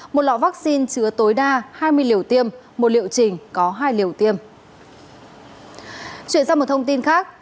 một lọ vaccine chứa tối đa hai mươi liều tiêm một liệu trình có hai liều tiêm